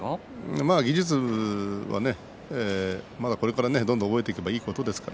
まあ技術はこれからどんどん覚えていけばいいことです。